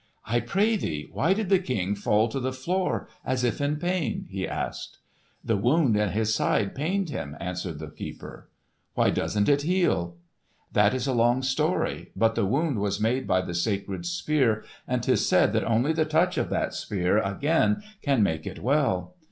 "I pray thee, why did the King fall to the floor as if in pain?" he asked. "The wound in his side pained him," answered the keeper. "Why doesn't it heal?" "That is a long story. But the wound was made by the sacred Spear, and 'tis said that only the touch of that Spear again can make it well."